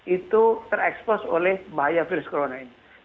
itu terekspos oleh bahaya virus corona ini